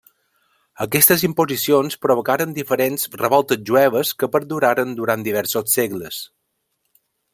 Aquestes imposicions provocaren diferents revoltes jueves que perduraren durant diversos segles.